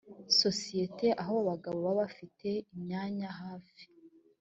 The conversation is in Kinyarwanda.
sosiyete aho abagabo baba bafite imyanya hafi